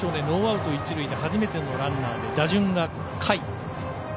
ノーアウト、一塁で初めてのランナーで打順が下位。